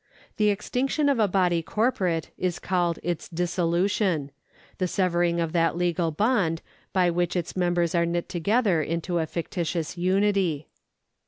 The extinction of a body cor porate is called its dissolution — the severing of that legal bond by which its members are knit together into a fictitious unity.